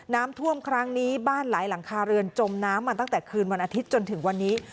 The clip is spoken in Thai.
น้ำท่วมครั้งนี้บ้านหลายหลังคาเรือนจมน้ำมาตั้งแต่คืนวันอาทิตย์จนถึงวันนี้